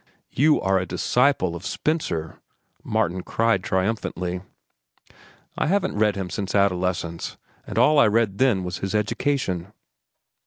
"You are a disciple of Spencer!" Martin cried triumphantly. "I haven't read him since adolescence, and all I read then was his 'Education.